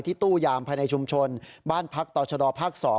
ที่ตู้ยามภายในชุมชนบ้านพักตชภ๒